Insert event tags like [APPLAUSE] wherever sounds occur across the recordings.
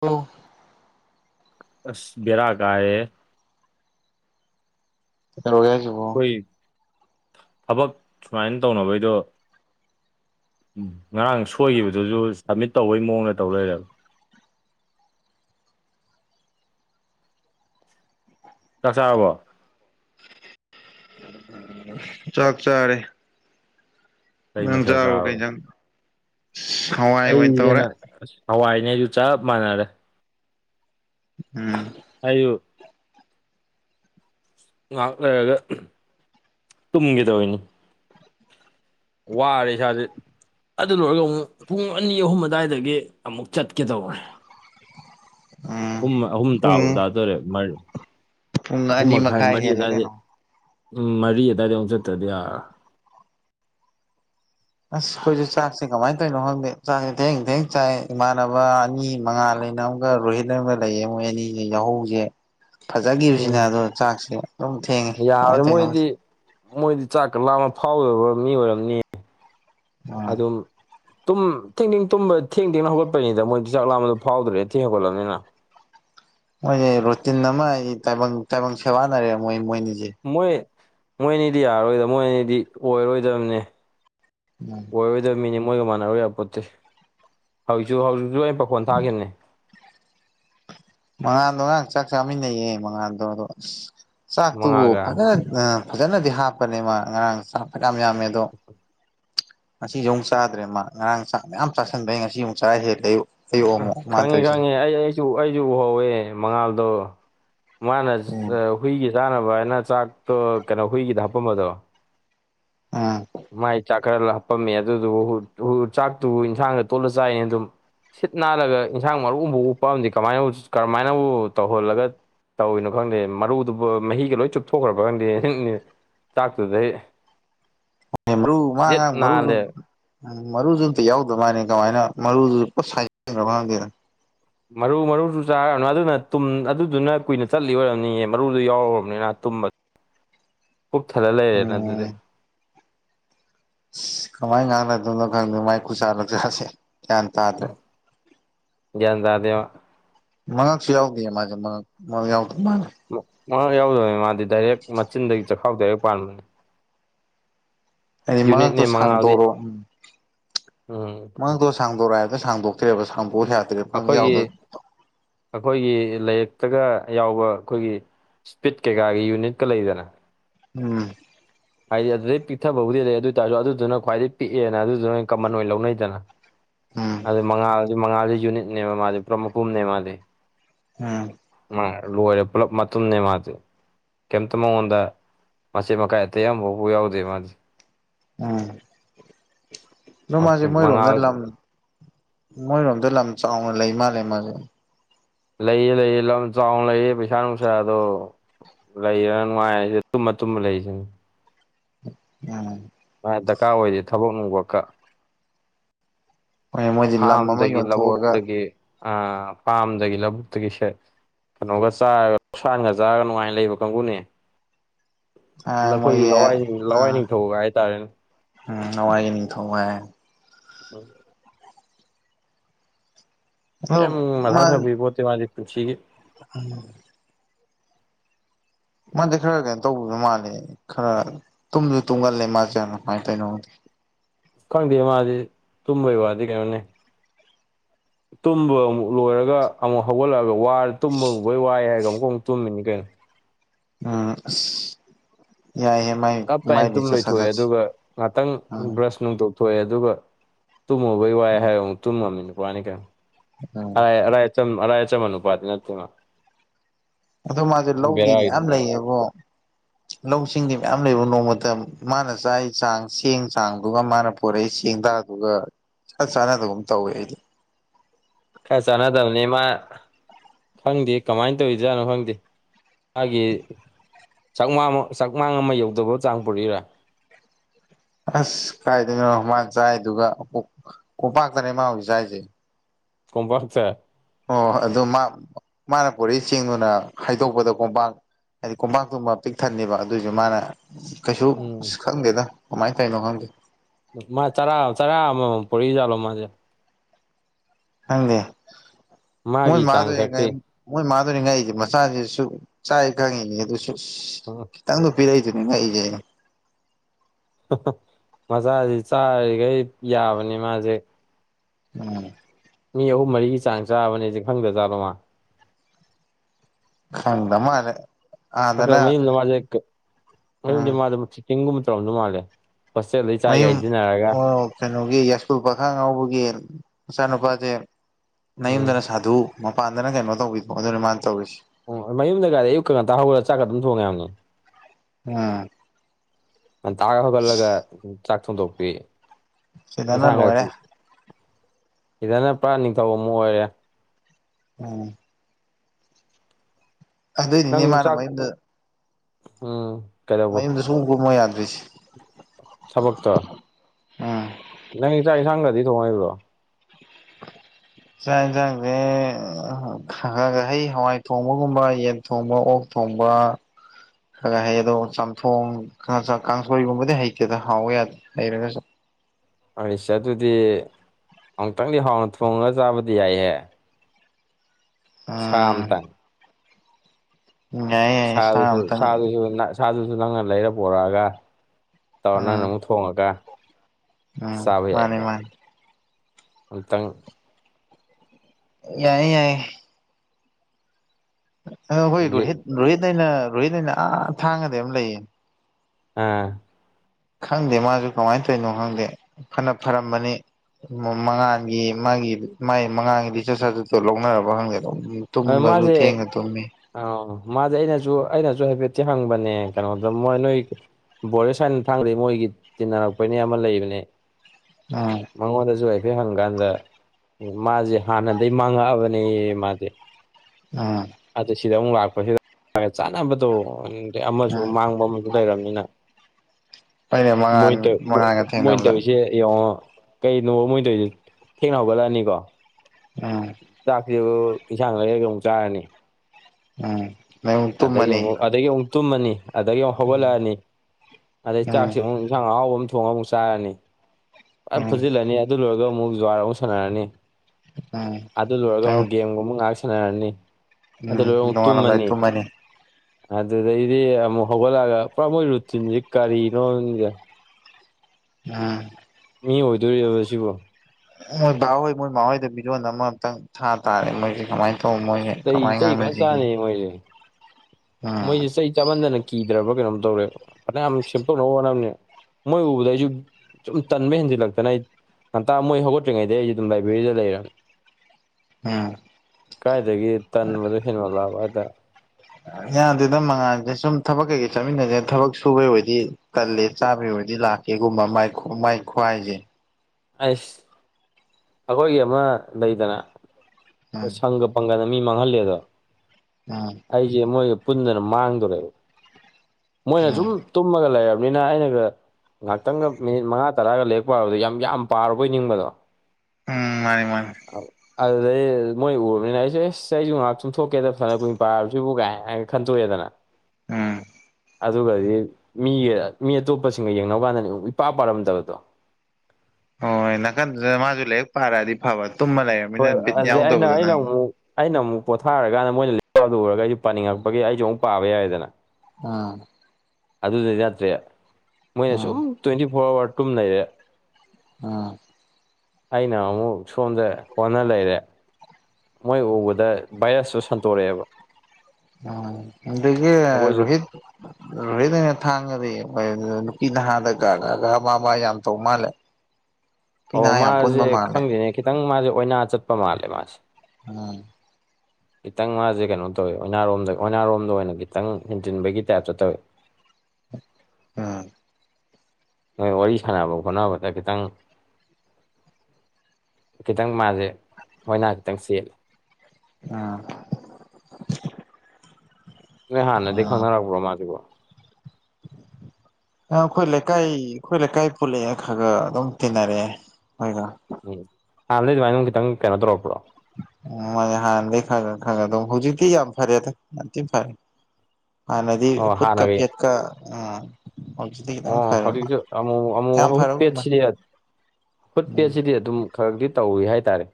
hello ꯑꯁ ꯒ꯭ꯔꯥꯍꯀꯑ ꯔꯣꯒ ꯍꯥꯏꯁꯤꯕꯨꯣ ꯑꯩꯈꯣꯏ ꯊꯕꯛ ꯁꯨꯃꯥꯏꯅ ꯇꯧꯅꯕꯩꯗꯣ ꯎꯝ ꯉꯔꯥꯡ ꯁꯣꯏꯈꯤꯕꯗꯨꯁꯨ ꯁꯕꯃꯤꯠ ꯇꯧꯕꯩ ꯃꯑꯣꯡꯗ ꯇꯧ ꯂꯩꯔꯦꯕ ꯆꯥꯛ ꯆꯥꯕꯣ ꯆꯥꯛ ꯆꯥꯔꯦ ꯀꯩ ꯃꯊꯦꯜ ꯅꯪꯗꯔꯣ ꯀꯖꯪ ꯑꯩꯁꯦꯅ ꯑꯁ ꯍꯋꯥꯏꯅꯦ ꯑꯩꯁꯨ ꯆꯞ ꯃꯥꯟꯅꯔꯦ ꯎꯝ ꯑꯌꯣ ꯉꯥꯏꯍꯥꯛ ꯂꯩꯔꯒ ꯇꯨꯝꯒꯗꯧꯅꯤ ꯋꯥꯔꯦ ꯏꯁꯥꯁꯦ ꯑꯗꯨ ꯂꯣꯏꯔꯒ ꯑꯃꯨꯛ ꯄꯨꯡ ꯑꯅꯤ ꯑꯍꯨꯝ ꯑꯗꯨꯋꯥꯏꯗꯒꯤ ꯑꯃꯨꯛ ꯆꯠꯀꯦꯗꯧꯔꯦ ꯎꯝ ꯑꯍꯨꯝ ꯑꯍꯨꯝ ꯄꯨꯡ ꯇꯥꯕ ꯇꯥꯗꯣꯔꯦ ꯄꯨꯡ ꯑꯍꯨꯝ ꯑꯅꯤ ꯃꯈꯥꯏ ꯃꯔꯤ ꯍꯦꯜꯂꯦ ꯑꯗꯨꯗꯥꯏꯗꯤ ꯀꯩꯅꯣ ꯎꯝ ꯃꯔꯤ ꯑꯗꯨꯋꯥꯏꯗ ꯑꯃꯨꯛ ꯆꯠꯇ꯭ꯔꯗꯤ ꯌꯥꯔꯥ ꯑꯁ ꯑꯩꯈꯣꯏꯁꯨꯦ ꯆꯥꯛꯁꯦ ꯀꯃꯥꯏꯅ ꯇꯧꯅꯣ ꯈꯪꯗꯦ ꯆꯥꯛꯁꯦ ꯊꯦꯡ ꯊꯦꯡ ꯆꯥꯏ ꯏꯃꯥꯟꯅꯕ ꯑꯅꯤ ꯃꯉꯥ ꯂꯩꯅ ꯑꯃ ꯔꯣꯍꯤꯠ ꯑꯃꯒ ꯂꯩꯌꯦ ꯃꯣꯏ ꯑꯅꯤꯁ ꯌꯥꯍꯧꯁꯦ ꯐꯖꯈꯤꯕꯁꯤꯅ ꯎꯝ ꯑꯗꯣ ꯆꯥꯛꯁꯦ ꯑꯗꯨꯝ ꯊꯦꯡꯉꯤ ꯌꯥꯕꯅꯤ ꯀꯃꯥꯏꯅ ꯇꯧꯅꯣ ꯃꯣꯏꯗꯤ ꯃꯣꯏꯗꯤ ꯆꯥꯛꯀ ꯂꯥꯃ ꯐꯥꯎꯗꯕ ꯃꯤ ꯑꯣꯏꯔꯝꯅꯤ ꯎꯝ ꯑꯗꯨꯝ ꯇꯨꯝ ꯊꯦꯡ ꯊꯦꯡ ꯇꯨꯝꯕ ꯊꯦꯡ ꯊꯦꯡꯅ ꯍꯧꯒꯠꯄꯅꯤꯗ ꯃꯣꯏ ꯆꯥꯛ ꯂꯥꯕꯗꯣ ꯐꯥꯎꯗ꯭ꯔꯦ ꯊꯦꯡ ꯍꯧꯒꯠꯂꯕꯅꯤꯅ ꯃꯣꯏꯁꯦ ꯔꯨꯇꯤꯟ ꯑꯃ ꯑꯩ ꯇꯥꯏꯕꯪ ꯇꯥꯏꯕꯪ ꯁꯦꯕꯥꯅꯔꯦ ꯃꯣꯏ ꯃꯣꯏꯅꯤꯁꯦ ꯃꯣꯏ ꯃꯣꯏ ꯑꯅꯤꯗꯤ ꯌꯥꯔꯔꯣꯏꯗꯕ ꯃꯣꯏ ꯑꯅꯤꯗꯤ ꯑꯣꯏꯔꯣꯏꯗꯕꯅꯦ ꯎꯝ ꯀꯣꯏ ꯑꯣꯏꯗꯕ ꯃꯤꯅꯤꯡ ꯑꯣꯏꯒ ꯃꯥꯟꯅꯔꯣꯏꯕ ꯄꯣꯠꯇꯤ ꯍꯧꯖꯤꯛꯁꯨ ꯍꯧꯖꯤꯛꯁꯨ ꯂꯩꯅ ꯄꯥꯈꯣꯟ ꯊꯥꯈꯤꯕꯅꯦ ꯃꯉꯥꯗꯣ ꯉꯥꯡ ꯆꯥꯛ ꯆꯥꯃꯤꯟꯅꯩꯌꯦ ꯃꯉꯥꯗꯣ ꯑꯣ ꯆꯥꯛꯇꯨꯕꯨ ꯃꯉꯥꯜꯒ ꯐꯖꯅ ꯐꯖꯅꯗꯤ ꯍꯥꯞꯄꯅꯦ ꯃꯥ ꯉꯔꯥꯡ ꯆꯄ ꯀꯥ ꯌꯥꯝꯃꯦ ꯑꯗꯣ ꯉꯁꯤꯁ ꯑꯃꯨꯛ ꯆꯥꯗ꯭ꯔꯦ ꯃꯥ ꯉꯔꯥꯡ ꯆꯥꯛ ꯃꯌꯥꯝ ꯆꯥꯥꯁꯟꯕꯩ ꯉꯁꯤ ꯑꯃꯨꯛ ꯆꯥ ꯍꯦ ꯂꯩꯨ ꯑ ꯈꯪꯉꯦ ꯈꯪꯉꯦ ꯑꯩ ꯑꯩ ꯑꯩ ꯑꯩꯁꯨ ꯎꯍꯧꯋꯦ ꯃꯉꯥꯜꯗꯣ ꯃꯥꯅ ꯎꯝ ꯍꯨꯏꯒꯤ ꯆꯥꯅꯕ ꯍꯥꯏꯅ ꯆꯥꯛꯇꯣ ꯀꯩꯅꯣ ꯍꯨꯏꯒꯤꯗ ꯍꯥꯄꯝꯕꯗꯣ ꯎꯝ ꯃꯥꯏ ꯆꯥꯛ ꯈꯔ ꯍꯥꯞꯄꯝꯃꯦ ꯑꯗꯨꯗꯨꯕꯨ ꯆꯥꯛꯇꯨꯕꯨ ꯏꯟꯁꯥꯡꯗ ꯇꯣꯠꯂ ꯆꯥꯏꯅꯦ ꯑꯗꯨꯝ ꯁꯤꯠ ꯅꯥꯜꯂꯒ ꯏꯟꯁꯥꯡ ꯃꯔꯨꯐ ꯎꯞꯄꯑꯝ ꯀꯃꯥꯏꯅ ꯀꯔꯝꯥꯏꯅꯕꯨ ꯇꯧꯍꯜꯂꯒ ꯇꯧꯋꯤꯅꯣ ꯈꯪꯗꯦ ꯃꯔꯨꯗꯨꯕꯨ ꯃꯍꯤꯒ ꯂꯣꯏ ꯆꯨꯞꯊꯣꯛꯈ꯭ꯔꯕ ꯈꯪꯗꯦ ꯆꯥꯛꯇꯨꯗꯩ ꯃꯔꯨ ꯃꯥ ꯆꯦꯠ ꯉꯥꯡ ꯃꯔꯨꯁꯨ ꯅꯥꯜꯂꯦ ꯎꯝ ꯃꯔꯨꯁꯨ ꯑꯝꯇ ꯌꯥꯎꯗ ꯃꯥꯅꯦ ꯀꯃꯥꯏꯅ ꯃꯔꯨꯗꯨ ꯄꯨ ꯁꯥꯏꯅꯣ ꯈꯪꯗꯦꯅ ꯃꯔꯨ ꯃꯔꯨꯁꯨ ꯆꯥꯈꯔꯕꯅꯤ ꯑꯗꯨꯅ ꯑꯗꯨꯗꯨꯅ ꯀꯨꯏꯅ ꯆꯠꯂꯤ ꯑꯣꯏꯔꯕꯅꯤꯌꯦ ꯃꯔꯨꯗꯨ ꯌꯥꯎꯔꯨꯔꯕꯅꯤꯅ ꯇꯨꯝꯕꯗ ꯄꯨꯛ ꯊꯂ ꯂꯩꯔꯦꯅ ꯑꯗꯨꯗꯤ ꯎꯝ ꯀꯃꯥꯏꯅ ꯉꯥꯡꯅꯗꯣꯏꯅꯣ ꯈꯪꯗꯦ ꯃꯥꯏ ꯈꯨ ꯆꯥꯂ ꯆꯁꯦ ꯀꯌꯥ ꯗꯗ ꯃꯉꯛꯁꯨ ꯌꯥꯎꯗ ꯃꯥꯁꯦ ꯃꯉ ꯌꯥꯎꯗ ꯃꯔ ꯌꯥꯎꯗꯕꯅꯤ ꯃꯥꯗꯤ ꯗꯥꯏꯔꯦꯛ ꯃꯆꯤꯟꯗꯒꯤ ꯆꯈꯥꯎ ꯇꯔꯦꯛ ꯄꯥꯟꯕꯅꯦ ꯑꯩ ꯃꯉꯥꯡꯗꯣ ꯌꯨꯅꯤꯠꯅꯦ ꯃꯉꯥꯜꯗꯤ ꯁꯥꯡꯗꯣꯔꯣ ꯎꯝ ꯎꯝ ꯃꯉꯥꯡꯗꯣ ꯁꯥꯡꯗꯣꯔꯛꯑ ꯍꯥꯏꯗꯅ ꯁꯥꯡꯗꯣꯛꯇꯦ ꯁꯥꯡꯗꯣꯛꯁꯨ ꯌꯥꯗ꯭ꯔꯦꯕ ꯑꯩꯈꯣꯏꯒꯤ ꯑꯩꯈꯣꯏꯒꯤ ꯂꯥꯏꯔꯤꯛꯇꯒ ꯌꯥꯎꯕ ꯑꯩꯈꯣꯏꯒꯤ ꯏꯁ꯭ꯄꯤꯠ ꯀꯩꯀꯥꯒꯤ ꯌꯨꯅꯤꯠꯀ ꯂꯩꯗꯅ ꯎꯝ ꯍꯥꯏꯗꯤ ꯑꯗꯨꯗꯩ ꯄꯤꯛꯊꯕꯕꯨꯗꯤ ꯂꯩ ꯑꯗꯨ ꯑꯣꯏ ꯇꯥꯔꯁꯨ ꯑꯗꯨꯗꯨꯅ ꯈ꯭ꯋꯥꯏꯗꯒꯤꯩ ꯄꯤꯛꯑꯦ ꯑꯗꯨꯗꯨꯅ ꯀꯃꯟ ꯑꯣꯏꯅ ꯂꯧꯅꯩꯗꯅ ꯎꯝ ꯑꯗꯨ ꯃꯉꯥꯜꯗꯤ ꯃꯉꯥꯜꯗꯤ ꯌꯨꯅꯤꯠꯅꯦꯕ ꯃꯥꯗꯤ ꯄꯨꯔꯥ ꯃꯄꯨꯝꯅꯦ ꯃꯥꯗꯤ ꯎꯝ ꯂꯣꯏꯔꯦ ꯄꯨꯂꯞ ꯃꯇꯨꯡꯨꯝꯅꯦ ꯃꯥꯗꯤ ꯀꯩꯝꯇ ꯃꯉꯣꯟꯗ ꯃꯆꯦꯠ ꯃꯀꯥꯏ ꯑꯇꯩ ꯑꯃꯐꯥꯎꯕꯥꯎ ꯌꯥꯎꯗꯦ ꯃꯥꯗꯤ ꯎꯝ ꯑꯗꯣ ꯃꯥꯁꯦ ꯃꯄꯨꯝ ꯃꯣꯏꯔꯣꯝꯗ ꯃꯉꯥꯜ ꯂꯝ ꯃꯣꯏꯔꯣꯝꯗ ꯂꯝ ꯆꯥꯎꯅ ꯂꯩ ꯃꯥꯜꯂꯦ ꯃꯥꯁꯦ ꯂꯩꯌꯦ ꯂꯩꯌꯦ ꯂꯝ ꯆꯥꯎꯅ ꯂꯩꯌꯦ ꯄꯩꯁꯥ ꯅꯨꯡꯁꯥ ꯑꯗꯣ ꯂꯩꯔ ꯅꯨꯡꯉꯥꯏꯔꯁꯦ ꯇꯨꯝꯕ ꯇꯨꯝꯕ ꯂꯩꯁꯤꯅꯤ ꯎꯝ ꯃꯥꯥꯏ ꯗꯔꯀꯥꯔ ꯑꯣꯏꯔꯤ ꯊꯕꯛ ꯅꯨꯡꯕꯀ ꯍꯣꯏ ꯃꯣꯏꯗꯤ ꯂꯝ ꯑꯃ ꯐꯥꯝꯗꯒꯤ ꯌꯣꯟꯊꯣꯛꯑꯒ ꯂꯧꯕꯨꯛꯇꯒꯤ ꯑ ꯐꯥꯝꯗꯒꯤ ꯂꯧꯕꯨꯛꯇꯒꯤꯁꯦ ꯀꯩꯅꯣꯒ ꯆꯥꯔꯒ ꯁꯁꯥꯟꯒ ꯆꯥꯔꯒ ꯅꯨꯡꯉꯥꯏꯅ ꯂꯩꯕ ꯀꯥꯡꯕꯨꯅꯦ ꯑꯈꯣꯏꯒꯤ ꯃꯣꯏꯒꯤ ꯂꯋꯥꯏ ꯂꯋꯥꯏ ꯑꯥ ꯅꯤꯡꯊꯧꯒ ꯍꯥꯏꯇꯥꯔꯦꯅꯦ ꯎꯝ ꯂꯋꯥꯏꯒꯤ ꯅꯤꯡꯊꯧ ꯎꯝ ꯀꯩ ꯑꯗꯣ ꯃꯊꯥ ꯁꯕꯤꯕꯣꯠꯇꯦ ꯃꯥꯗꯤ ꯄꯨꯟꯁꯤꯒꯤ ꯎꯝ ꯃꯥꯗꯤ ꯈꯔ ꯀꯩ ꯇꯧꯕ ꯃꯥꯜꯂꯦ ꯈꯔ ꯇꯨꯝꯁꯨ ꯇꯨꯝꯒꯜꯂꯦ ꯃꯥꯁꯦ ꯌꯥꯝꯅ ꯀꯃꯥꯏꯅ ꯇꯧꯅꯣ ꯈꯪꯇ ꯦ ꯈꯪꯗꯦ ꯃꯥꯗꯤ ꯇꯨꯝꯕꯒꯤ ꯋꯥꯗꯤ ꯀꯩꯅꯣꯅꯦ ꯇꯨꯝꯕ ꯑꯃꯨꯛ ꯂꯣꯏꯔꯒ ꯑꯃꯨꯛ ꯍꯧꯒꯠꯂꯛꯑꯒ ꯇꯨꯝꯕꯕꯩ ꯋꯥꯏ ꯍꯥꯏꯔꯒ ꯑꯃꯨꯛꯀ ꯑꯃꯨꯛ ꯇꯨꯝꯃꯤꯅꯤ ꯀꯩꯅꯣ ꯎꯝ ꯌꯥꯏꯌꯦ ꯃꯥꯏ ꯇꯞ ꯇ ꯃꯥꯏ ꯇꯨꯝꯃꯥꯒ ꯂꯤꯆꯠ ꯂꯩꯏꯊꯛꯑꯦ ꯁꯥꯖꯠꯁꯦ ꯑꯗꯨꯒ ꯉꯥꯛꯇꯪ ꯎꯝ ꯕ꯭ꯔꯁ ꯅꯨꯡꯇꯣꯛ ꯊꯣꯛꯑꯦ ꯑꯗꯨꯒ ꯇꯨꯝꯃꯨꯕꯩ ꯋꯥꯏ ꯎꯝ ꯍꯥꯏꯔꯣ ꯑꯃꯨꯛ ꯇꯨꯝꯃꯝꯃꯤ ꯅꯨꯄꯥꯅꯤ ꯀꯩꯅꯣ ꯎꯝ ꯑꯔꯥꯏ ꯑꯔꯥꯏꯆꯝ ꯑꯔꯥꯏ ꯑꯆꯝꯕ ꯅꯨꯄꯥꯗꯤ ꯅꯠꯇꯦ ꯃꯥ ꯑꯗꯨ ꯃꯥꯁꯦ ꯂꯧꯗꯤ ꯕꯦꯔꯥꯒꯤ ꯃꯌꯥꯝ ꯅꯨꯄꯥꯅꯤ ꯂꯩꯌꯦꯕꯣ ꯂꯧꯁꯤꯡꯗꯤ ꯃꯌꯥꯝ ꯂꯩꯕ ꯅꯣꯡꯃꯇ ꯃꯥꯅ ꯆꯥꯏ ꯆꯥꯡ ꯆꯦꯡ ꯆꯥꯡꯗꯨꯒ ꯃꯥꯅ ꯄꯣꯔꯛꯏ ꯆꯦꯡꯗ ꯑꯗꯨꯒ ꯆꯞ ꯆꯥꯟꯅꯗꯒꯨ ꯇꯧꯋꯦ ꯑꯩꯗꯤ ꯈꯔ ꯆꯥꯟꯅꯗꯕꯅ ꯦ ꯃꯥꯅ ꯈꯪꯗꯦ ꯀꯃꯥꯏꯅ ꯇꯧꯔꯤꯖꯥꯠꯅꯣ ꯈꯪꯗꯦ ꯃꯥꯒꯤ ꯆꯥꯛꯃꯥꯡ ꯆꯥꯛꯃꯥꯡ ꯑꯃ ꯌꯧꯗꯕ ꯆꯥꯡ ꯄꯨꯔꯛꯏꯕ ꯑꯁ ꯀꯥꯏꯗꯣꯏꯅꯣ ꯃꯥꯥꯟ ꯆꯥꯏꯗꯨꯒ ꯎꯣꯝꯄꯥꯛꯇꯅ ꯃꯥ ꯍꯧꯖꯤꯛ ꯆꯥꯏꯁꯦ ꯀꯨꯝꯄꯥꯛꯇ ꯑꯣꯣꯏ ꯑꯗꯨ ꯃꯥꯅ ꯄꯨꯣꯔꯛꯏ ꯆꯦꯡꯗꯨꯅ ꯍꯥꯏꯗꯣꯛꯄꯗ ꯀꯣꯡꯄꯥꯛ ꯍꯥꯏꯗꯤ ꯀꯣꯝꯄꯥꯛꯇꯨꯝꯃꯥ ꯄꯤꯛ ꯊꯟꯅꯦꯕ ꯑꯗꯨꯑꯣꯏꯁꯨ ꯃꯥꯅ ꯀꯩꯁꯨ ꯎꯝ ꯈꯪꯗꯦꯗ ꯀꯃꯥꯏꯅ ꯇꯧꯔꯤꯅꯣ ꯈꯪꯗꯦ ꯃꯥ ꯆꯔꯥ ꯆꯔꯥ ꯑꯃ ꯃꯝ ꯄꯨꯔꯛꯖꯥꯠꯂꯣ ꯃꯥꯁꯦ ꯈꯪꯗꯦ ꯃꯣꯏ ꯃꯥꯒꯤ ꯆꯥꯡ ꯃꯥꯗꯨꯗꯤ ꯀꯥꯏ ꯈꯛꯀꯤ ꯃꯣꯏ ꯃꯥꯗꯨꯅꯤ ꯉꯥꯛꯏꯗꯤ ꯃꯆꯥꯁꯤꯁꯨ ꯆꯥꯏ ꯈꯪꯉꯤꯅꯦ ꯑꯗꯨꯁꯨ ꯎꯝ ꯈꯪꯇꯛ ꯗꯣ ꯄꯤꯔꯛꯏꯗꯨꯅꯤ ꯉ ꯑꯩꯁꯦ ꯃꯆꯥꯁꯤ ꯆꯥꯔꯤꯈꯩ ꯌꯥꯕꯅꯤ ꯃꯥꯁꯦ ꯎꯝ ꯃꯤ ꯑꯍꯨꯝ ꯃꯔꯤꯒꯤ ꯆꯥꯡ ꯆꯥꯕꯅꯦꯁꯦ ꯈꯪꯗ꯭ꯔꯖꯥꯗꯣꯃ ꯈꯪꯗ ꯃꯥꯔꯦ ꯅꯠꯇ꯭ꯔ ꯃꯌꯨꯝꯗ ꯃꯥꯁꯦ ꯃꯌꯨꯝꯗꯤ ꯎꯝ ꯃꯥꯗ ꯐꯤꯠꯇꯤꯡꯒꯨꯝꯕ ꯇꯧꯔꯝꯗꯧ ꯃꯥꯜꯂꯦ ꯍ ꯣꯠꯆꯦꯜꯗꯩ ꯆꯥꯏꯒꯥꯏ ꯃꯌꯨꯝ ꯁꯤꯖꯤꯟꯅꯔꯒ ꯑꯣ ꯀꯩꯅꯣꯒꯤ ꯌꯥꯏꯁꯀꯨꯜ ꯄꯥꯈꯪ ꯉꯥꯎꯕꯒꯤ ꯃꯆꯥꯅꯨꯄꯥꯁꯦ ꯎꯝ ꯅꯌꯨꯝꯗꯅ ꯁꯥꯗꯨ ꯃꯄꯥꯟꯗꯅ ꯀꯩꯅꯣ ꯇꯧꯕꯤꯗꯣ ꯑꯗꯨꯅꯦ ꯃꯥꯅ ꯇꯧꯔꯤꯁꯤ ꯑꯣ ꯃꯌꯨꯝꯗ ꯒꯥꯗꯤ ꯑꯌꯨꯛꯀ ꯉꯟꯇꯥ ꯍꯧꯈ꯭ꯔ ꯆꯥꯛꯀ ꯑꯗꯨꯝ ꯊꯣꯡꯉꯦ ꯌꯥꯏꯕꯅꯤ ꯎꯝ ꯉꯟꯇꯥꯥꯛꯒ ꯍꯧꯒꯠꯂꯒ ꯆꯥꯛ ꯊꯣꯡꯗꯣꯛꯄꯤ ꯁꯤꯗꯅ ꯏꯟꯁꯥꯡ ꯉꯥꯏꯥꯛꯇ ꯂꯣꯏꯔꯦ ꯐꯗꯅ ꯄ꯭ꯔꯥ ꯅꯤꯡꯊꯧ ꯑꯃ ꯑꯣꯏꯔꯦ ꯎꯝ ꯑꯗꯨꯏꯅꯤꯅꯦ ꯃꯥꯅ ꯃꯨꯝꯗ ꯑꯥ ꯃꯌꯨꯝꯗ ꯁꯨꯝ ꯀꯨꯝꯃ ꯌꯥꯗ꯭ꯔꯤꯁꯦ ꯊꯕꯛꯇꯛꯇ ꯎꯝ ꯅꯪ ꯆꯥꯛ ꯏꯟꯁꯥꯡꯗꯗꯤ ꯊꯣꯡꯉꯏꯕ꯭ꯔꯣ ꯆꯥꯛ ꯌꯦꯟꯁꯥꯡꯁꯦ ꯈ ꯈꯒ ꯍꯩ ꯍꯋꯥꯏ ꯊꯣꯡꯕꯒꯨꯝꯕ ꯌꯦꯟ ꯊꯣꯡꯕ ꯑꯣꯛ ꯊꯣꯡꯕ ꯈ ꯍꯩ ꯑꯗꯣ ꯆꯝꯊꯣꯡ ꯀꯥꯡꯁꯣꯏꯒꯨꯝꯕꯗꯤ ꯍꯩꯇꯦꯗ ꯍꯥꯎꯕ ꯌꯥꯗꯦ ꯍꯩꯔꯒꯁꯨ ꯑꯔꯤꯁꯠ ꯑꯗꯨꯗꯤ ꯑꯃꯨꯛꯇꯪꯗꯤ ꯍꯥꯎꯅ ꯊꯣꯡꯉꯒ ꯆꯥꯕꯗꯤ ꯌꯥꯏꯍꯦ ꯎꯝ ꯁꯥꯝꯇꯪ ꯌꯥꯏ ꯌꯥꯏ ꯁꯔ ꯁꯥ ꯁ ꯑꯝꯇꯪ ꯁꯔꯨ ꯁ ꯏꯁꯥꯗꯨꯁꯨ ꯅꯪꯅ ꯂꯩꯔ ꯄꯨꯣꯔꯛꯑꯒ ꯇꯧꯔ ꯅꯪꯅ ꯎꯝ ꯑꯃꯨꯛ ꯊꯣꯡꯉꯒ ꯎꯝ ꯆꯥꯕ ꯃꯥꯅꯤ ꯌꯥꯏꯦ ꯃꯥꯅꯤ ꯑꯝꯛꯇꯪ ꯌꯥꯏ ꯌꯥꯏ ꯑ ꯍꯣꯏ ꯌꯦ ꯔꯣꯍꯤꯠ ꯔꯣꯍꯤꯠ ꯑꯩꯅ ꯔꯣꯍꯤꯠ ꯑꯩꯅ ꯑꯥ ꯊꯥꯡꯉꯗꯤ ꯑꯃ ꯂꯩꯌꯦ ꯑꯥ ꯈꯪꯗꯦ ꯃꯥꯁꯨ ꯀꯃꯥꯏꯅ ꯇꯧꯔꯤꯅꯣ ꯈꯪꯗꯦ ꯐꯅ ꯐꯔꯝꯕꯅꯤ ꯃꯉꯥꯜꯒꯤ ꯃꯥꯒꯤ ꯃꯥꯒꯤ ꯃꯉꯥꯜꯒꯤ ꯔꯤꯆꯥꯔ ꯆꯥꯔꯖꯗꯣ ꯂꯧꯅꯔꯕ ꯈꯪꯗꯦ ꯑꯗꯨꯝ ꯇꯨꯝꯕꯁꯨ ꯃꯥꯁꯦ ꯊꯦꯡꯅ ꯇꯨꯝꯃꯤ ꯑ ꯃꯥꯁꯦ ꯑꯩꯅꯁꯨ ꯑꯩꯅꯁꯨ ꯍꯥꯏꯐꯦꯠꯇꯤ ꯍꯪꯕꯅꯦ ꯀꯩꯅꯣꯗ ꯃꯣꯏ ꯅꯣꯏ ꯕꯣꯔꯦꯁ ꯍꯥꯏꯅ ꯐꯥꯡꯗꯦ ꯃꯣꯏꯒꯤ ꯇꯤꯟꯅꯔꯛꯄꯩꯅꯦ ꯑꯃ ꯂꯩꯕꯅꯦ ꯎꯝ ꯃꯉꯣꯟꯗꯁꯨ ꯍꯥꯏꯐꯦꯠ ꯍꯪꯀꯥꯟꯗ ꯃꯥꯁꯦ ꯍꯥꯟꯅꯗꯒꯤ ꯃꯥꯡꯉꯛꯑꯕꯅꯦ ꯃꯥꯗꯤ ꯎꯝ ꯑꯗꯨ ꯁꯤꯗ ꯑꯃꯨꯛ ꯂꯥꯛꯄꯁꯤꯗ ꯆꯥꯟꯅꯕꯗꯣ ꯑꯃꯁꯨ ꯎꯝ ꯃꯥꯡꯕ ꯂꯩꯔꯕꯔꯕꯅꯤꯅ ꯑꯩꯅ ꯃꯣꯏ ꯃꯉꯥꯜ ꯇꯧ ꯃꯉꯥꯜꯒ ꯃꯣꯏꯅ ꯊꯦꯡꯅꯕꯗ ꯇꯧꯔꯤꯁꯦ ꯌꯦꯡꯉꯣ ꯀꯩ ꯅꯣ ꯃꯣꯏꯗꯣꯏꯗ ꯊꯦꯡꯅ ꯍꯧꯒꯠꯂꯛꯑꯅꯤꯀꯣ ꯎꯝ ꯆꯥꯛꯁꯤꯕꯨ ꯏꯟꯁꯥꯡ ꯂꯩꯔꯒ ꯑꯃꯨꯛ ꯆꯥꯔꯅꯤ ꯎꯝ ꯑꯌꯨꯛ ꯑꯗꯒꯤ ꯇꯨꯝꯃꯅꯤ ꯑꯃꯨꯛ ꯑꯗꯒꯤ ꯑꯃꯨꯛ ꯇꯨꯝꯃꯅꯤ ꯑꯗꯒꯤ ꯑꯃꯨꯛ ꯎꯝ ꯍꯧꯒꯠꯂꯛꯑꯅꯤ ꯑꯗꯩ ꯎꯝ ꯆꯥꯛꯁꯤ ꯑꯃꯨꯛ ꯌꯦꯟꯁꯥꯡ ꯑꯍꯥꯎꯕ ꯑꯃ ꯊꯣꯡꯉꯒ ꯑꯃꯨꯛ ꯆꯥꯔꯅꯤ ꯎꯝ ꯐꯨꯖꯤꯜꯂꯅꯤ ꯑꯗꯨ ꯂꯣꯏꯔꯒ ꯑꯃꯨꯛ ꯖꯨꯔ ꯑꯃꯨꯛ ꯁꯥꯟꯅꯔꯅꯤ ꯎꯝ ꯑꯗꯨ ꯂꯣꯏꯔꯒ ꯑꯃꯨꯛ ꯑꯌꯨꯛ ꯒꯦꯝꯒꯨꯝꯕ ꯉꯥꯏꯍꯥꯛ ꯁꯥꯟꯅꯔꯅꯤ ꯑꯗꯨ ꯎꯝ ꯂꯣꯏꯔ ꯑꯃꯨꯛ ꯅꯣꯡꯉꯥꯜꯂꯝꯗꯥꯏ ꯇꯨꯝꯃꯅꯤ ꯑꯗꯨꯗꯩꯗꯤ ꯑꯃꯨꯛ ꯍꯧꯒꯠꯂꯛꯑꯒ ꯄꯨꯔꯥ ꯃꯣꯏ ꯔꯨꯇꯤꯟꯁꯤꯦ ꯀꯔꯤꯅꯣꯁꯦ ꯑꯝ ꯃꯤ ꯑꯣꯏꯗꯣꯕ ꯁꯤꯕꯣ ꯃꯣꯏ ꯕꯍꯣꯏ ꯃꯣꯏ ꯃꯥꯍꯣꯏꯗ ꯃꯤꯔꯣꯟ ꯑꯃ ꯑꯝꯛꯇꯪ ꯊꯥ ꯇꯥꯔꯦ ꯃꯣꯏꯁꯦ ꯀꯃꯥꯏ ꯑꯣ ꯃꯣꯏ ꯀꯃꯥꯏꯅ ꯉꯥꯡꯅꯁꯤꯒꯦ ꯍꯣꯏ ꯃꯣꯏꯁꯦ ꯎꯝ ꯆꯩ ꯆꯥꯃꯟꯗꯅ ꯀꯤꯗ꯭ꯔꯕ ꯀꯩꯅꯣꯝ ꯇꯧꯔꯦ ꯐꯅꯌꯥꯝ ꯁꯦꯝꯗꯣꯛꯅꯕ ꯍꯣꯠꯅꯕꯅꯦ ꯃꯣꯏ ꯎꯕꯗ ꯑꯩꯁꯨ ꯁꯨꯝ ꯇꯟꯕ ꯍꯦꯟꯖꯤꯜꯂꯛꯇꯅ ꯑꯩ ꯉꯟꯇꯥ ꯃꯣꯏ ꯍꯧꯒꯠꯇ꯭ꯔꯤꯉꯩꯗ ꯑꯩꯁꯦ ꯑꯗꯨꯝ ꯂꯥꯏꯕ꯭ꯔꯦꯔꯤꯗ ꯂꯩꯔꯅꯤ ꯎꯝ ꯀꯥꯏꯗꯒꯤ ꯇꯟꯕꯗꯨꯣ ꯍꯦꯟꯃꯣꯠꯂꯛꯑꯕ ꯍꯥꯏꯇꯥꯔꯦ ꯌꯥꯗꯦꯗꯝ ꯃꯉꯥꯜꯁꯦ ꯁꯨꯝ ꯊꯕꯛ ꯀꯩꯀꯩ ꯆꯠꯃꯤꯟꯅꯁꯦ ꯊꯕꯛ ꯁꯨꯕꯒꯤ ꯑꯣꯏꯗꯤ ꯀꯜꯂꯦ ꯆꯥꯕꯤꯕꯗꯤ ꯂꯥꯛꯀꯦꯒꯨꯝꯕꯥꯏ ꯃꯥꯏ ꯈ꯭ꯋꯥꯏꯁꯦ ꯑꯁ ꯑꯩꯈꯣꯏꯒꯤ ꯑꯃ ꯂꯩꯗꯅ ꯎꯝ ꯁꯪꯒ ꯄꯪꯒꯅ ꯃꯤ ꯃꯥꯡꯍꯜꯂ ꯑꯗꯣ ꯎꯝ ꯑꯩꯁꯦ ꯃꯣꯏꯒ ꯄꯨꯟꯗꯅ ꯃꯥꯡꯗꯣꯔꯦꯕ ꯃꯣꯏꯅ ꯎꯝ ꯁꯨꯝ ꯇꯨꯝꯃꯒ ꯂꯩꯔꯕꯅꯤꯅ ꯑꯩꯅꯒ ꯉꯥꯏꯍꯥꯛꯇꯪꯒ ꯃꯤꯅꯤꯠ ꯃꯉꯥ ꯇꯔꯥꯒ ꯂꯩꯦꯛꯔꯛꯄꯥꯕꯗ ꯌꯥꯝ ꯌꯥꯝ ꯄꯥꯔꯕꯣꯏ ꯅꯤꯡꯕꯗꯣ ꯎꯝ ꯃꯥꯅꯤ ꯃꯥꯅꯤ ꯑꯥꯎ ꯑꯗꯨꯗꯩ ꯃꯣꯏ ꯎꯔꯕꯅꯤꯅ ꯑꯩꯁꯁꯨ ꯑꯦꯁ ꯑꯩꯁꯨ ꯉꯥꯏꯍꯥꯛ ꯆꯨꯝꯊꯣꯛꯀꯦꯗ ꯐꯖꯅ ꯀꯨꯟ ꯄꯥꯁꯤꯕꯨ ꯀꯥꯏ ꯍꯥꯏꯒ ꯈꯟꯗꯣꯛꯑꯦꯗꯅ ꯎꯝ ꯑꯗꯨꯒꯗꯤ ꯃꯤꯒꯤ ꯃꯤ ꯑꯇꯣꯞꯄꯁꯤꯡꯒ ꯌꯦꯡꯅꯕ ꯀꯥꯟꯗꯅꯦ ꯏꯄꯥ ꯄꯥꯔꯝꯗꯕꯗꯣ ꯍꯣꯏ ꯅꯥꯀꯟꯗ ꯃꯥꯁꯨ ꯂꯥꯏꯔꯤꯦꯛ ꯄꯥꯔꯛꯑꯗꯤ ꯐꯕ ꯇꯨꯝꯃ ꯂꯩ ꯍꯣꯏ ꯑꯗꯨꯗꯤ ꯑꯩꯅ ꯑꯩꯅ ꯑꯃꯨꯛ ꯑꯩꯅ ꯑꯃꯨꯛ ꯄꯣꯊꯥꯔꯀꯥꯟꯗ ꯃꯣꯏꯅꯗ ꯎꯔꯒ ꯑꯩꯁꯨ ꯄꯥꯅꯤꯡꯉꯛꯄꯒꯤ ꯑꯩꯁꯁꯨ ꯑꯃꯨꯛ ꯄꯥꯕ ꯌꯥꯏꯗꯅ ꯎꯝ ꯑꯗꯨꯗꯩ ꯅꯠꯇ꯭ꯔꯦ ꯃꯣꯏꯅ ꯎꯝ ꯁꯨꯝ ꯇ꯭ꯋꯦꯟꯇꯤ ꯐꯣꯔ ꯑꯋꯥꯔ ꯇꯨꯝ ꯂꯩꯔꯦ ꯎꯝ ꯑꯩꯅ ꯑꯃꯨꯛ ꯁꯣꯝꯗ ꯍꯣꯠꯅ ꯂꯩꯔꯦ ꯃꯣꯏ ꯎꯕꯗ ꯚꯥꯏꯔꯁꯁꯨ ꯁꯟꯇꯣꯔꯛꯑꯦꯕ ꯎ ꯏꯗꯗꯒꯤ ꯑꯩꯈꯣꯏꯁꯨ ꯔꯣꯍꯤꯠ ꯍꯅꯦ ꯊꯥꯡꯉꯗꯤ ꯅꯨꯄꯤ ꯅꯍꯥꯗ ꯀꯥꯂꯛꯑꯒ ꯕꯥꯕꯥ ꯌꯥꯝ ꯇꯧ ꯃꯥꯜꯂꯦ ꯅꯨꯄꯤ ꯑꯣ ꯅꯍꯥ ꯌꯥꯝ ꯄꯨꯟꯕ ꯃꯥꯁꯦ ꯃꯥꯜꯂꯦ ꯈꯪꯗꯦꯅꯦ ꯈꯤꯇꯪ ꯃꯥꯁꯦ ꯑꯣꯏꯅꯥ ꯆꯠꯄ ꯃꯥꯜꯂꯦ ꯃꯥꯁꯦ ꯎꯝ [INAUDIBLE] ꯈꯤꯇꯪ ꯃꯥꯁꯦ ꯀꯩꯅꯣ ꯇꯧꯏꯤ ꯑꯣꯏꯅꯥꯔꯣꯝꯗ ꯑꯣꯏꯅꯥꯔꯣꯝꯗ ꯑꯣꯏꯅ ꯈꯤꯇꯪ ꯍꯦꯟꯖꯤꯟꯕꯒꯤ ꯇꯥꯏꯞꯇ ꯇꯧꯏꯤ ꯎꯝ ꯅꯣꯏ ꯋꯥꯔꯤ ꯁꯥꯟꯅꯕ ꯈꯣꯠꯅꯕꯗ ꯈꯤꯇꯪ ꯈꯤꯇꯪ ꯃꯥꯁꯦ ꯃꯣꯏꯅꯥ ꯈꯤꯇꯪ ꯆꯦꯠꯂꯦ ꯑꯝ ꯅ ꯎꯝ ꯎꯝ ꯍꯥꯟꯅꯦꯗꯤꯦꯣꯟꯅꯔꯛꯄ꯭ꯔꯣ ꯃꯥꯖꯕꯨꯣ ꯑꯩꯈꯣꯏ ꯂꯩꯀꯥꯏ ꯑꯩꯈꯣꯏ ꯂꯩꯀꯥꯏ ꯄꯨꯜꯂꯛꯑꯦ ꯈꯔ ꯈ ꯑꯗꯨꯝ ꯇꯤꯟꯅꯔꯛꯑꯦ ꯑꯩꯈꯣꯏꯒ ꯎꯝ ꯍꯥꯟꯗꯩ ꯑꯗꯨꯃꯥꯏꯅ ꯑꯗꯨꯝ ꯈꯤꯇꯪ ꯀꯩꯅꯣ ꯇꯧꯔꯛꯄ꯭ꯔꯣ ꯎ ꯃꯥ ꯍꯥꯟꯅꯗꯒꯤꯩ ꯈ ꯈ ꯑꯗꯨ ꯍꯧꯖꯤꯛꯇꯤ ꯌꯥꯝ ꯐꯔꯦꯗ ꯌꯥꯝꯇꯤ ꯐꯔꯦ ꯑ ꯅꯗꯤ ꯑꯣ ꯈꯨꯠ ꯀ ꯍꯥꯟꯅꯒꯤ ꯐꯦꯠ ꯀ ꯑ ꯑꯣ ꯍꯧꯁꯨ ꯑꯃꯨ ꯌꯥꯝ ꯍꯠ ꯄꯦꯠꯁꯤ ꯐꯔꯒꯨꯝꯕꯅꯤ ꯌꯥꯗꯤ ꯐꯨꯠ ꯎꯝ ꯄꯦꯠꯁꯤꯗꯤ ꯑꯗꯨꯝ ꯈꯔꯗꯤ ꯇꯧꯏꯤ ꯍꯥꯏꯇꯥꯔꯦ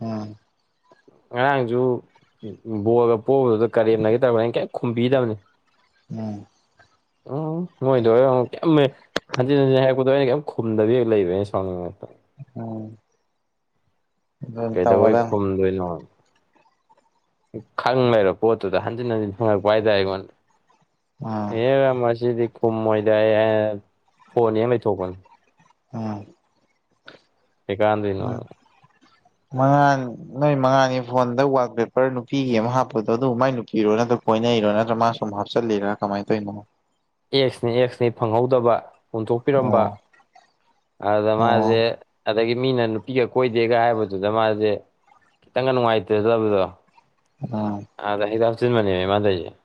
ꯎꯝ ꯉꯔꯥꯡꯁꯨ ꯕꯣꯒ ꯄꯣꯛꯕꯗꯨꯗ ꯀꯔꯦꯝꯅꯒꯦ ꯇꯧꯕꯅ ꯑꯩꯅ ꯀꯩ ꯈꯨꯝꯕꯤꯗꯕꯅꯤ ꯎꯝ ꯎꯝ ꯅꯣꯏꯗꯔ ꯑꯃꯨꯛ ꯀꯃꯦ ꯍꯟꯖꯤꯟ ꯍꯥꯏꯛꯄꯗꯣ ꯑꯩꯅ ꯀꯩꯝ ꯈꯨꯝꯗꯕꯤ ꯍꯦꯛ ꯂꯩꯕ ꯑ ꯁꯥꯎꯅꯤꯡꯉ ꯎꯝ ꯑꯗꯨ ꯀꯩꯗꯧꯧꯕꯩ ꯇꯧꯒꯗꯝ ꯈꯨꯝꯗꯣꯏꯅꯣ ꯈꯪ ꯂꯩꯔꯕ ꯄꯣꯠꯇꯨꯗ ꯍꯟꯖꯤꯟ ꯍꯟꯖꯤꯟ ꯍꯪꯉꯛꯄ ꯍꯥꯏꯇꯥꯔꯦ ꯑꯩꯉꯣꯟꯗ ꯎꯝ ꯑꯦꯕ ꯃꯁꯤꯗꯤ ꯀꯨꯝꯃꯣꯏꯗ ꯑꯩ ꯐꯣꯟ ꯍꯦ ꯂꯩꯊꯣꯛꯄꯅꯤ ꯎꯝ ꯀꯩ ꯀꯥꯟꯗꯣꯏꯅꯣ ꯎꯝ ꯃꯉꯥꯟ ꯅꯣꯏ ꯃꯉꯥꯜꯒꯤ ꯐꯣꯟꯗ ꯋꯥꯜ ꯄꯦꯄꯔ ꯅꯨꯄꯤꯒꯤ ꯑꯃ ꯍꯥꯞꯄꯗꯣ ꯑꯗꯨꯕꯨ ꯃꯥꯏ ꯅꯨꯄꯤꯔꯣ ꯅꯠꯇ ꯀꯣꯏꯅꯩꯔꯣ ꯅꯠꯇ꯭ꯔ ꯃꯥ ꯁꯨꯝ ꯍꯥꯞꯆꯤꯜꯂꯤꯔꯥ ꯀꯃꯥꯏꯅ ꯇꯧꯏꯅꯣ ꯑꯦꯛꯁꯅꯤ ꯑꯦꯛꯁꯅꯤ ꯐꯪꯍꯧꯗꯕ ꯍꯨꯟꯊꯣꯛꯄꯤꯔꯝꯕ ꯑꯣ ꯑꯗꯨꯗ ꯃꯥꯖꯦ ꯑꯣ ꯑꯗꯒꯤ ꯃꯤꯅ ꯅꯨꯄꯤꯒ ꯀꯣꯏꯗꯦꯒ ꯍꯥꯏꯕꯗꯨꯗ ꯃꯥꯖꯦ ꯈꯤꯇꯪꯒ ꯅꯨꯡꯉꯥꯏꯇ꯭ꯔꯦꯗ ꯑꯗꯨꯗꯣ ꯎꯝ ꯑꯗ ꯍꯤꯗꯥꯛ ꯍꯥꯞꯆꯤꯟꯕꯅꯤꯃꯦ ꯃꯥꯅ ꯇꯧꯏꯖꯦ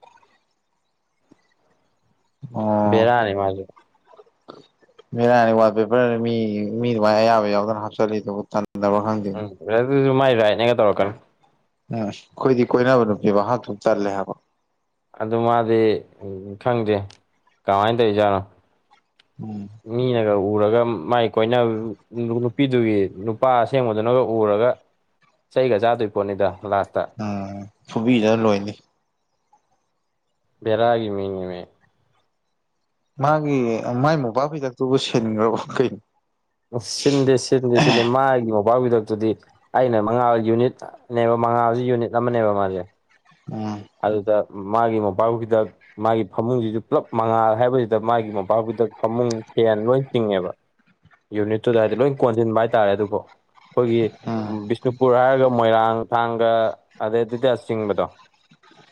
ꯑꯣ ꯕꯦꯔꯥꯅꯤ ꯃꯥꯖꯨ ꯕꯦꯔꯥꯅꯤ ꯋꯥꯜꯄꯦꯄꯔ ꯃꯤ ꯃꯤ ꯑꯗꯨꯃꯥꯏ ꯑꯌꯥꯕ ꯌꯥꯎꯗꯅ ꯍꯥꯞꯆꯜꯂꯤꯗꯨꯕꯨ ꯇꯟ ꯗꯕ ꯍꯪꯒꯦ ꯎꯝ ꯑꯗꯨꯁꯨ ꯃꯥꯏ ꯔꯥꯏꯠꯅꯦꯒ ꯇꯧꯔꯛꯀꯅꯨ ꯎꯝ ꯑꯩꯈꯣꯏꯗꯤ ꯀꯣꯏꯅꯕ ꯅꯨꯄꯤꯕ ꯍꯥꯠꯇꯣꯛ ꯇꯜꯂꯦ ꯍꯥꯏꯕ ꯑꯗꯨ ꯃꯥꯗꯤ ꯈꯪꯗꯦ ꯀꯃꯥꯏꯅ ꯇꯧꯔꯤꯖꯥꯠꯅꯣ ꯎꯝ ꯃꯤꯅꯒ ꯎꯔꯒ ꯃꯥꯏ ꯀꯣꯏꯅ ꯅꯨꯄꯤꯗꯨꯒꯤ ꯅꯨꯄꯥ ꯑꯁꯦꯡꯕꯗꯨꯅꯒ ꯎꯔꯒ ꯆꯩꯒ ꯆꯥꯗꯣꯏ ꯄꯣꯠꯅꯤꯗ ꯂꯥꯁꯇ ꯎꯝ ꯐꯨꯕꯤꯗ ꯂꯣꯏꯅꯤ ꯕꯔꯒꯤ ꯃꯤꯉꯃꯦ ꯃꯥꯒꯤ ꯃꯥꯏ ꯃꯣꯕꯥ ꯐꯩꯗꯛꯇꯨꯕꯨ ꯁꯦꯟꯈ꯭ꯔꯣ ꯀꯩꯅꯣ ꯁꯤꯟꯗꯦ ꯁꯤꯟꯗꯦ ꯁꯤꯟꯗꯦ ꯃꯥꯒꯤ ꯃ ꯌꯥꯎꯒꯤꯗꯕꯗꯨꯗꯤ ꯑꯩꯅ ꯃꯉꯥꯜ ꯌꯨꯅꯤꯠ ꯅꯦꯕ ꯃꯉꯥꯜꯁꯦ ꯌꯨꯅꯤꯠ ꯑꯃꯅꯦꯕ ꯃꯥꯖꯦ ꯎꯝ ꯑꯗꯨꯗ ꯃꯥꯒꯤ ꯃꯣꯝꯄꯥꯛꯐꯤꯗꯛ ꯃꯥꯒꯤ ꯐꯃꯨꯡꯁꯤꯖꯨ ꯄꯨꯜꯂꯞ ꯃꯉꯥꯜ ꯍꯥꯏꯕꯁꯤꯗ ꯃꯥꯒꯤ ꯃꯣꯟꯄꯥꯛꯐꯤꯗꯛ ꯐꯃꯨꯡ ꯐꯦꯟ ꯂꯣꯏ ꯇꯤꯡꯉꯦꯕ ꯌꯨꯅꯤꯠꯇꯨꯗ ꯍꯥꯏꯗꯤ ꯂꯣꯏ ꯀꯣꯟꯁꯤꯟꯕ ꯍꯥꯏꯇꯥꯔꯦ ꯑꯗꯨꯕꯨ ꯎꯝ ꯑꯩꯈꯣꯏꯒꯤ ꯕꯤꯁꯅꯨꯄꯨꯔ ꯍꯥꯏꯔꯒ ꯃꯣꯏꯔꯥꯡ ꯊꯥꯡꯒ ꯑꯗꯩꯗꯨꯗ ꯆꯤꯡꯕꯗꯣ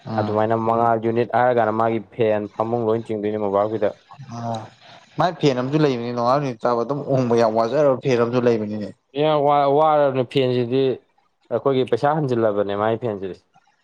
ꯎꯝ ꯑꯗꯨꯃꯥꯏꯅ ꯃꯉꯥꯜ ꯌꯨꯅꯤꯠ ꯍꯥꯏꯔꯒꯥꯟꯅ ꯃꯥꯒꯤ ꯐꯦꯟ ꯐꯃꯨꯡ ꯂꯣꯏ ꯆꯤꯡꯗꯣꯏꯅꯤ ꯃꯣꯟꯕꯥꯛꯐꯤꯗꯛ ꯑꯣ ꯃꯥꯏ ꯐꯦꯟ ꯑꯃꯖꯨ ꯂꯩꯕꯅꯤ ꯅꯣꯡꯉꯥꯜ ꯅꯨꯃꯤꯠ ꯇꯥꯕ ꯑꯗꯨꯝ ꯎꯪꯕ ꯌꯥꯝ ꯋꯥꯖꯔꯕ ꯐꯦꯟ ꯑꯃꯁꯨ ꯂꯩꯕꯅꯤꯅꯦ ꯑꯦ ꯋꯥꯔ ꯋꯥꯔꯕꯅꯦ ꯐꯦꯟꯁꯤꯗꯤ ꯑꯩꯈꯣꯏꯒꯤ ꯄꯩꯁꯥ ꯍꯟꯖꯤꯜꯂꯕꯅꯦ ꯃꯥꯒꯤ ꯐꯦꯟꯁꯤꯗꯤ